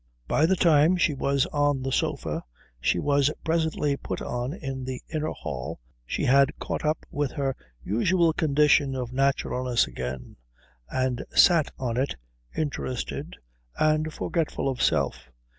By the time she was on the sofa she was presently put on in the inner hall she had caught up with her usual condition of naturalness again, and sat on it interested and forgetful of self.